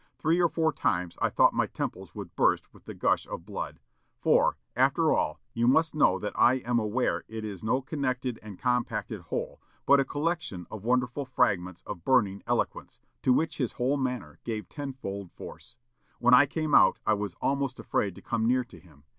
Three or four times I thought my temples would burst with the gush of blood; for, after all, you must know that I am aware it is no connected and compacted whole, but a collection of wonderful fragments of burning eloquence, to which his whole manner gave tenfold force. When I came out I was almost afraid to come near to him.